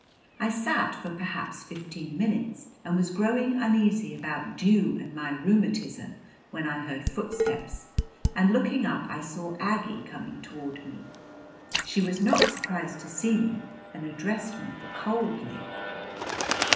I sat for perhaps fifteen minutes and was growing uneasy about dew and my rheumatism when I heard footsteps and, looking up, I saw Aggie coming toward me. She was not surprised to see me and addressed me coldly.